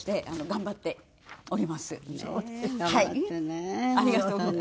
ありがとうございます。